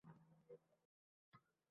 Siz reklama kodini saytingizga qo’yasiz